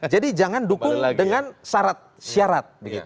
jadi jangan dukung dengan syarat